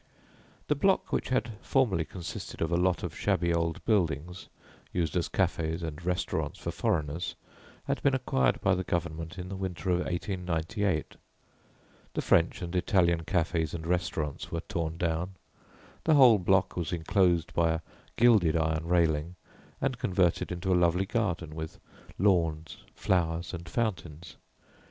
The block which had formerly consisted of a lot of shabby old buildings, used as cafés and restaurants for foreigners, had been acquired by the Government in the winter of 1898. The French and Italian cafés and restaurants were torn down; the whole block was enclosed by a gilded iron railing, and converted into a lovely garden with lawns, flowers and fountains.